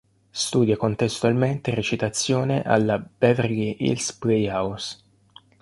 Studia contestualmente recitazione alla "Beverly Hills Playhouse".